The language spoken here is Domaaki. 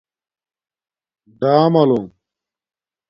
ڈآملُݸنگ